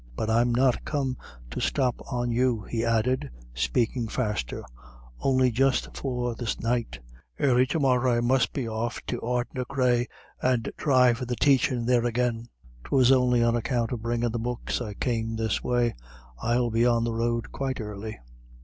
But I'm not come to stop on you," he added, speaking faster, "on'y just for this night. Early to morra I must be off to Ardnacreagh, and try for the taichin' there again. 'Twas on'y on account of bringin' the books I came this way. I'll be on the road quite early."